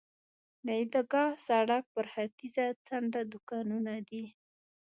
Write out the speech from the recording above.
د عیدګاه سړک پر ختیځه څنډه دوکانونه دي.